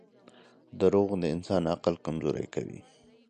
• دروغ د انسان عقل کمزوری کوي.